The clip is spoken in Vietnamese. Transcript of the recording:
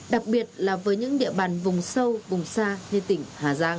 đặc biệt là với những địa bàn vùng sâu vùng xa như tỉnh hà giang